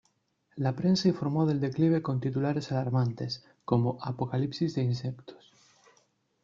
La prensa informó del declive con titulares alarmantes, como "Apocalipsis de insectos".